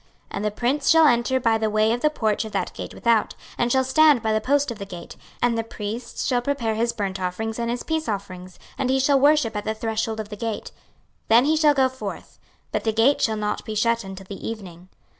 26:046:002 And the prince shall enter by the way of the porch of that gate without, and shall stand by the post of the gate, and the priests shall prepare his burnt offering and his peace offerings, and he shall worship at the threshold of the gate: then he shall go forth; but the gate shall not be shut until the evening.